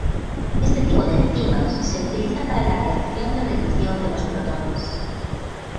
Este tipo de enzimas se utiliza para la reacción de reducción de los protones.